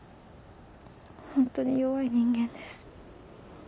ホントに弱い人間です。